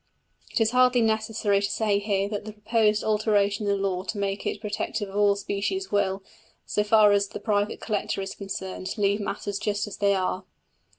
It is hardly necessary to say here that the proposed alteration in the law to make it protective of all species will, so far as the private collector is concerned, leave matters just as they are.